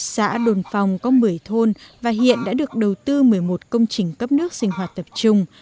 xã đồn phòng có một mươi thôn và hiện đã được đầu tư một mươi một công trình cấp nước sinh hoạt tập trung